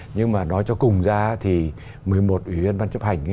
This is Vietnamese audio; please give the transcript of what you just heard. nhưng mà nói cho cùng ra thì một mươi một ủy viên ban chấp hành